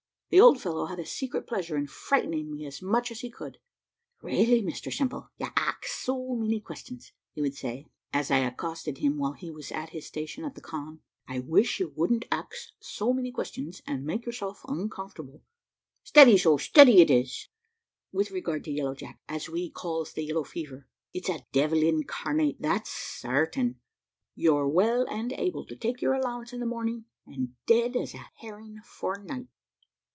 The old fellow had a secret pleasure in frightening me as much as he could. "Really, Mr Simple, you ax so many questions," he would say, as I accosted him while he was at his station at the conn, "I wish you wouldn't ax so many questions, and make yourself uncomfortable `steady so' `steady it is;' with regard to Yellow Jack, as we calls the yellow fever; it's a devil incarnate, that's sartain you're well and able to take your allowance in the morning, and dead as a herring 'fore night.